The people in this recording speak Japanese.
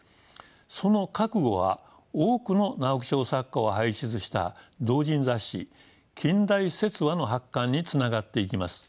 その覚悟は多くの直木賞作家を輩出した同人雑誌「近代説話」の発刊につながっていきます。